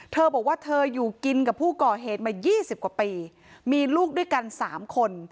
เธอบอกว่าเธออยู่กินกับผู้ก่อเหตุมา๒๐กว่าปีมีลูกด้วยกัน๓คน